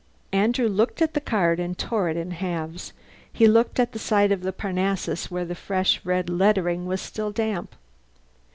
Andrew looked at the card, and tore it in halves. He looked at the side of Parnassus where the fresh red lettering was still damp.